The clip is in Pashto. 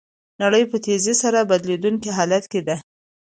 نړۍ په تېزۍ سره بدلیدونکي حالت کې ده.